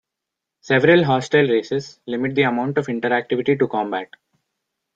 Several hostile races limit the amount of interactivity to combat.